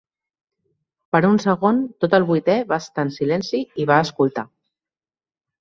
Per un segon, tot el vuitè va estar en silenci i va escoltar.